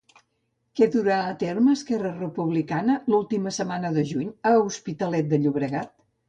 Què durà a terme Esquerra Republicana l'última setmana de juny a Hospitalet de Llobregat?